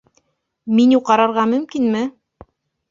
Меню ҡарарға мөмкинме?